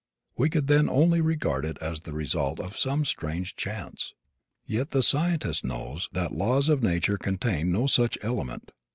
We could then only regard it as the result of some strange chance; yet the scientist knows that laws of nature contain no such element.